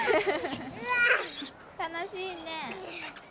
楽しいね。